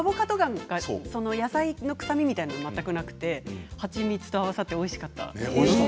野菜の臭みみたいなものも全くなくて、蜂蜜と合わさっておいしかったです。